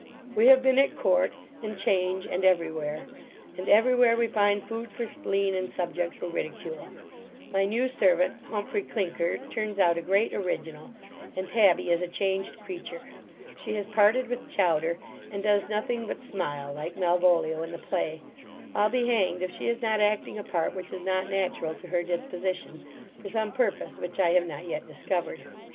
We have been at court, and 'change, and every where; and every where we find food for spleen, and subject for ridicule My new servant, Humphry Clinker, turns out a great original: and Tabby is a changed creature She has parted with Chowder; and does nothing but smile, like Malvolio in the play I'll be hanged if she is not acting a part which is not natural to her disposition, for some purpose which I have not yet discovered.